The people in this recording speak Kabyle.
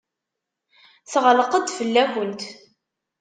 Teɣleq-d fell-akent.